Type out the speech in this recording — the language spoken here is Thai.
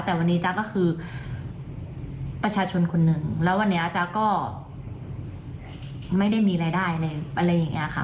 แต่วันนี้จ๊ะก็คือประชาชนคนหนึ่งแล้ววันนี้จ๊ะก็ไม่ได้มีรายได้เลยอะไรอย่างนี้ค่ะ